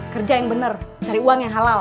kerja yang benar cari uang yang halal